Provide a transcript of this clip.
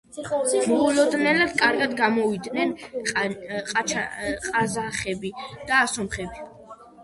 მოულოდნელად კარგად გამოვიდნენ ყაზახები და სომხები.